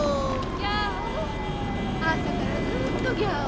ギャオあさからずっとギャオ。